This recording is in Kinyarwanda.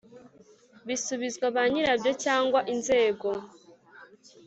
bisubizwa ba nyirabyo cyangwa inzego